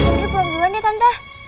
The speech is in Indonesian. buat buat nih tante